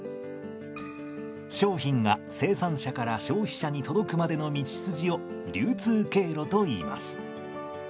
商品が生産者から消費者に届くまでの道筋を流通経路といいます。